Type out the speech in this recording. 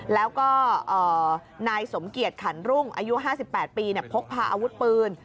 แล้วก็นายสมเกียจขันรุ่งอายุ๕๘ปีพกพาอาวุธปืน